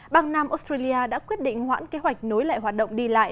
bang nam australia đã quyết định hoãn kế hoạch nối lại hoạt động đi lại